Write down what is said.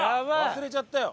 忘れちゃったよ。